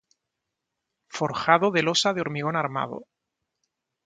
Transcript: Forjado de losa de hormigón armado.